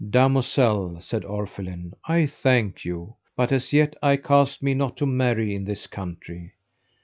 Damosel, said Orphelin, I thank you, but as yet I cast me not to marry in this country.